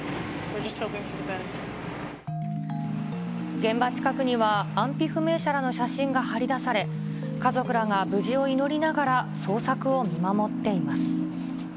現場近くには、安否不明者らの写真が張り出され、家族らが無事を祈りながら捜索を見守っています。